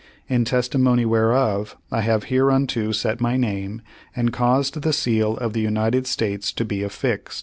"In testimony whereof, I have hereunto set my name, and caused the seal of the United States to be affixed.